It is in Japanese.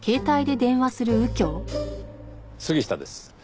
杉下です。